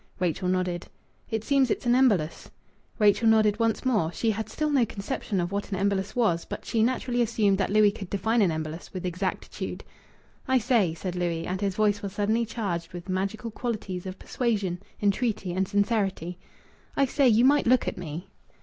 Rachel nodded. "It seems it's an embolus." Rachel nodded once more. She had still no conception of what an embolus was; but she naturally assumed that Louis could define an embolus with exactitude. "I say," said Louis, and his voice was suddenly charged with magical qualities of persuasion, entreaty, and sincerity "I say, you might look at me."